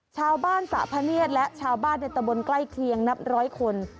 ชาวบ้านสะพะเนียดและชาวบ้านในตะบนใกล้เคียงนับ๑๐๐คน